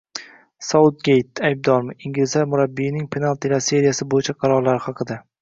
Sautgeyt aybdormi? Inglizlar murabbiyining penaltilar seriyasi bo‘yicha qarorlari haqida